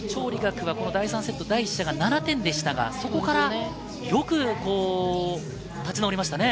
チョウ・リガクは第３セット第１射、７点でしたがそこからよく立ち直りましたね。